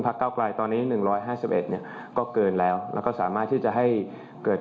พลคเก้ากลายตอนนี้ประตู๑๕๑ก็เกินแล้วงั้นสามารถปูดคุย